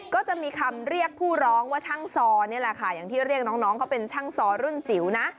ก็จะมีคำเรียกผู้ร้องว่าช่างซอนี่แหละค่ะอย่างที่เรียกน้องเขาเป็นช่างซอรุ่นจิ๋วนะ